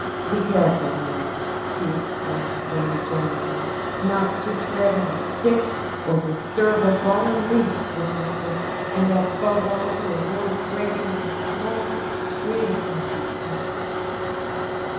"Be careful, Nelly," he exclaimed when he joined her, "not to tread on a stick or disturb a fallen leaf with your feet, and above all to avoid breaking the smallest twig as you pass.